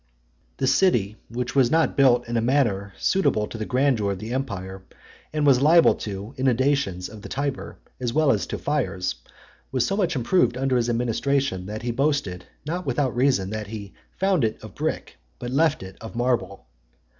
XXIX. The city, which was not built in a manner suitable to the grandeur of the empire, and was liable to inundations of the Tiber , as well as to fires, was so much improved under his administration, that he boasted, not without reason, that he "found it of brick, but left it of marble."